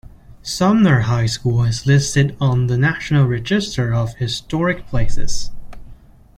Sumner High School is listed on the National Register of Historic Places.